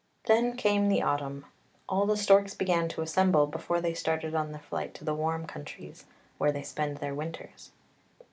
Then came the autumn; all the storks began to assemble, before they started on their flight to the warm countries, where they spend their winters.